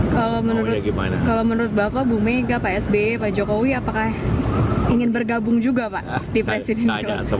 kalau menurut bapak bu mega pak sby pak jokowi apakah ingin bergabung juga pak di presiden